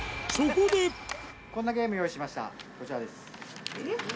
こんなゲーム用意しました、こちらです。